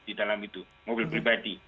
di dalam itu mobil pribadi